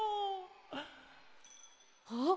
あっ！